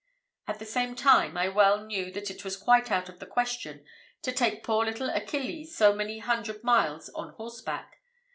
At the same time I well knew that it was quite out of the question to take poor little Achilles so many hundred miles on horseback.